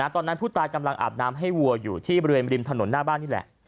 ตอนนั้นผู้ตายกำลังอาบน้ำให้วัวอยู่ที่บริเวณริมถนนหน้าบ้านนี่แหละ